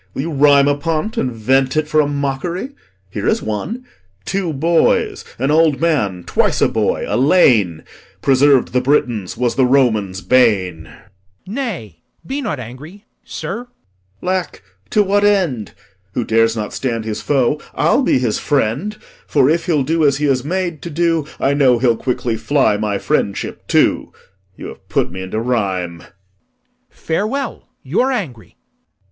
Will you rhyme upon't, And vent it for a mock'ry? Here is one: 'Two boys, an old man (twice a boy), a lane, Preserv'd the Britons, was the Romans' bane.' LORD. Nay, be not angry, sir. POSTHUMUS. 'Lack, to what end? Who dares not stand his foe I'll be his friend; For if he'll do as he is made to do, I know he'll quickly fly my friendship too. You have put me into rhyme. LORD. Farewell; you're angry.